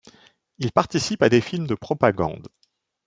Il participe à des films de propagande.